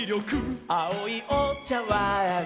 「あおいおちゃわん」